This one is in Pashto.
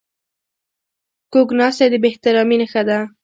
کوږ ناستی د بې احترامي نښه ده